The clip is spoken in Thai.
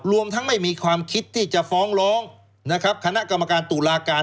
รวมทั้งไม่มีความคิดที่จะฟ้องร้องนะครับคณะกรรมการตุลาการ